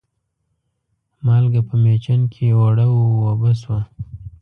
مالګه په مېچن کې اوړه و اوبه شوه.